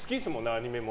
アニメも。